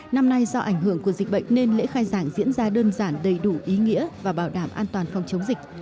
năm nay do ảnh hưởng của dịch bệnh nên lễ khai giảng diễn ra đơn giản đầy đủ ý nghĩa và bảo đảm an toàn phòng chống dịch